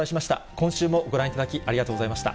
今週もご覧いただき、ありがとうございました。